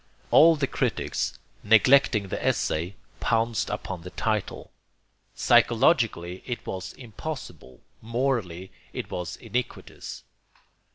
All the critics, neglecting the essay, pounced upon the title. Psychologically it was impossible, morally it was iniquitous.